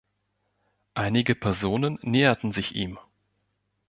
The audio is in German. Einige Personen näherten sich ihm.